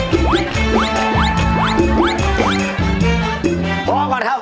เอาก่อนครับ